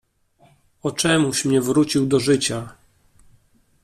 "O czemuś mnie wrócił do życia?"